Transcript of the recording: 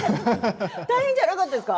大変じゃなかったですか。